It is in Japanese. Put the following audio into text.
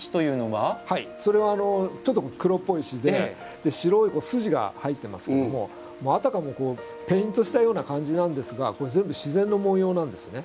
はいそれはちょっと黒っぽい石で白い筋が入ってますけどもあたかもこうペイントしたような感じなんですがこれ全部自然の紋様なんですね。